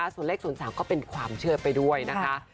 ส่วนเลข๐๓ก็เป็นความเชื่อไปด้วยนะคะ